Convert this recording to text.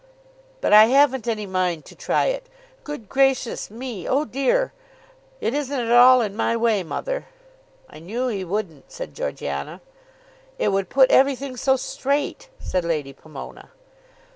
"But I haven't any mind to try it. Good gracious me; oh dear! it isn't at all in my way, mother." "I knew he wouldn't," said Georgiana. "It would put everything so straight," said Lady Pomona.